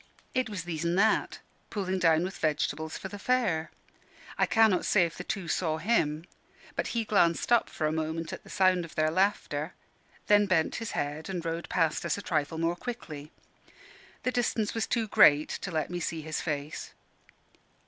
It was These an' That, pulling down with vegetables for the fair. I cannot say if the two saw him: but he glanced up for a moment at the sound of their laughter, then bent his head and rowed past us a trifle more quickly. The distance was too great to let me see his face.